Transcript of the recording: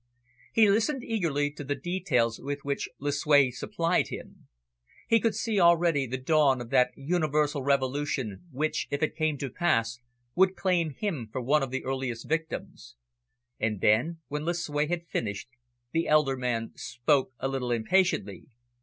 He listened eagerly to the details with which Lucue supplied him. He could see already the dawn of that universal revolution which, if it came to pass, would claim him for one of the earliest victims. And then, when Lucue had finished, the elder man spoke a little impatiently.